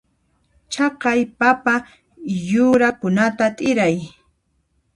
Chaqay papa yurakunata t'iray.